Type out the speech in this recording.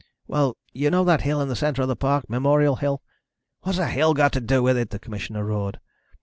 "Well, you know that hill in the center of the park? Memorial Hill?" "What has a hill got to do with it?" the commissioner roared.